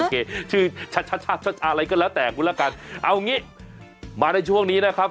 โอเคชื่อชะอะไรก็แล้วแต่งกูแล้วกันเอางี้มาในช่วงนี้นะครับ